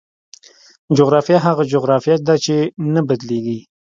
جغرافیه هغه جغرافیه ده چې نه بدلېږي.